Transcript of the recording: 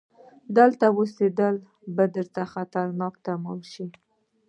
دلته اوسيدل به درته خطرناک تمام شي!